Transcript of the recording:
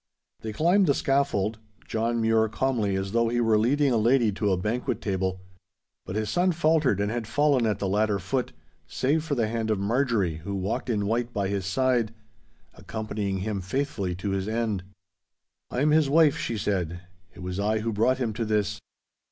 They climbed the scaffold—John Mure calmly as though he were leading a lady to a banquet table—but his son faltered and had fallen at the ladder foot, save for the hand of Marjorie, who walked in white by his side, accompanying him faithfully to his end. 'I am his wife,' she said. 'It was I who brought him to this.